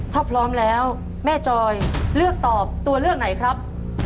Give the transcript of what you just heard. ถ้าพร้อมแล้วแม่จอยเลือกตอบตัวเลือกไหนครับ